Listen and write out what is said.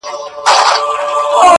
په مړاوو گوتو كي قوت ډېر سي~